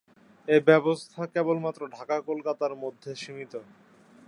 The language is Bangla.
এ ব্যবস্থা কেবলমাত্র ঢাকা-কলকাতার মধ্যে সীমিত।